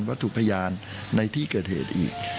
วัตถุพยานในที่เกิดเหตุอีก